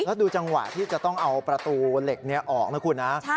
แล้วดูจังหวะที่จะต้องเอาประตูเหล็กนี้ออกนะคุณนะ